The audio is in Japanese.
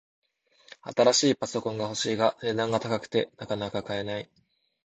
新しいパソコンが欲しいが、値段が高くてなかなか買えない